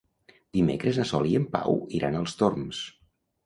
Dimecres na Sol i en Pau iran als Torms.